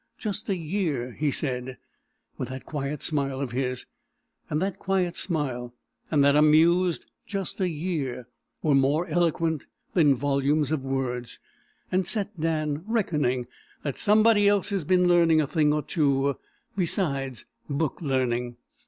"Just a year," he said, with that quiet smile of his; and that quiet smile, and that amused "Just a year" were more eloquent than volumes of words, and set Dan "reckoning" that somebody else's been learning a thing or two besides book learning.